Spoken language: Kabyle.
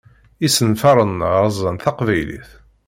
Isenfaṛen-a rzan Taqbaylit.